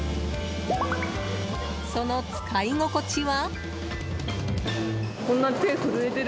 その使い心地は？